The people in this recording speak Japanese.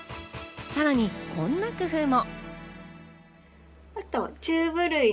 さらにこんな工夫も。